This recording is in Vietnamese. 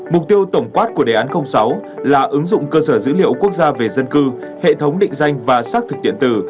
mục tiêu tổng quát của đề án sáu là ứng dụng cơ sở dữ liệu quốc gia về dân cư hệ thống định danh và xác thực điện tử